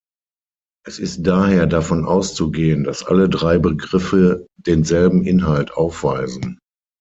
Es ist daher davon auszugehen, dass alle drei Begriffe denselben Inhalt aufweisen.